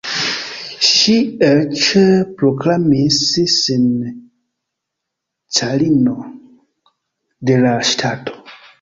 Ŝi eĉ proklamis sin “carino” de la ŝtato.